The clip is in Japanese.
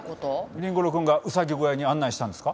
凛吾郎くんがうさぎ小屋に案内したんですか？